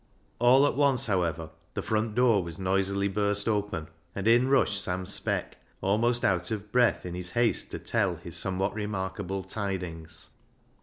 All at once, however, the front door was noisily burst open, and in rushed Sam Speck, almost out of breath in his haste to tell his somewhat remarkable tidinfrs.